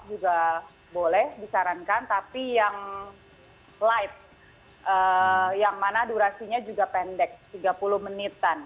juga boleh disarankan tapi yang light yang mana durasinya juga pendek tiga puluh menitan